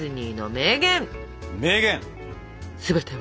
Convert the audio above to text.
名言。